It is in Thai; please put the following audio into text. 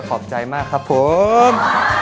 ขอบใจมากครับผม